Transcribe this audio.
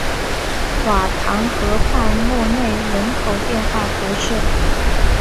瓦唐河畔默内人口变化图示